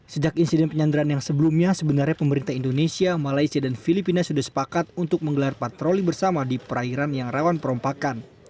sejak insiden penyanderaan yang sebelumnya sebenarnya pemerintah indonesia malaysia dan filipina sudah sepakat untuk menggelar patroli bersama di perairan yang rawan perompakan